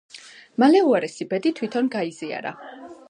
მალე უარესი ბედი თვითონ გაიზიარა.